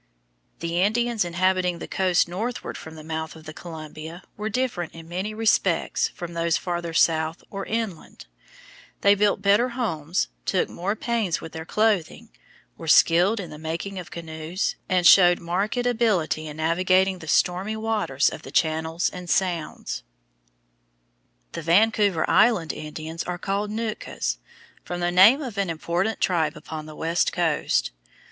The Indians inhabiting the coast northward from the mouth of the Columbia were different in many respects from those farther south or inland. They built better homes, took more pains with their clothing, were skilled in the making of canoes, and showed marked ability in navigating the stormy waters of the channels and sounds. [Illustration: FIG. 63. HESQUIAT INDIAN VILLAGE Nootka Sound, Vancouver Island] The Vancouver Island Indians are called Nootkas, from the name of an important tribe upon the west coast.